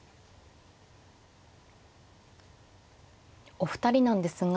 お二人なんですが。